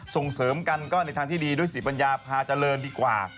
ส่งเสริมกันก็ในทางที่ดีด้วยสิปัญญาพาเจริญดีกว่า